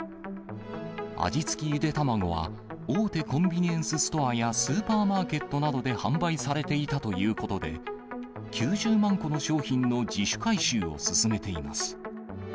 味付きゆで卵は、大手コンビニエンスストアやスーパーマーケットなどで販売されていたということで、９０万個の商品の自主回収を進めています。